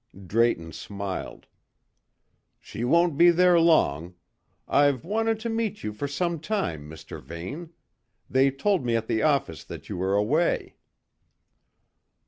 Drayton smiled. "She won't be there long. I've wanted to meet you for some time, Mr. Vane. They told me at the office that you were away."